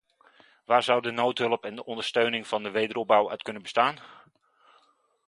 Waar zou de noodhulp en de ondersteuning van de wederopbouw uit kunnen bestaan?